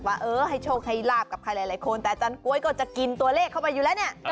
เป็นอาจารย์สำนักเดียวกัน